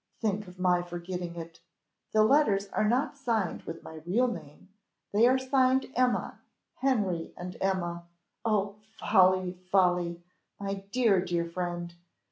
Think of my forgetting it! The letters are not signed with my real name, they are signed Emma Henry and Emma! Oh folly, folly! My dear, dear friend!